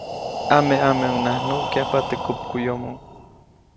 Ameʼameʼuŋnaʼajk nuʼkyajpa teʼ kupmuʼyomo.